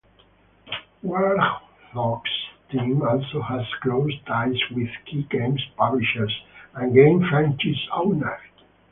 Warthog's team also has close ties with key games publishers and game franchise owners.